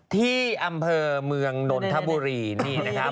ที่อำเภอเมืองนนทบุรีนี่นะครับ